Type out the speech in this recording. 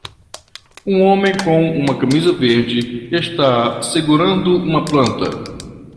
Um homem com uma camisa verde está segurando uma planta.